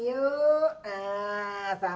saya ramah ramah dan semuanya